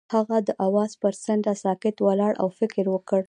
هغه د اواز پر څنډه ساکت ولاړ او فکر وکړ.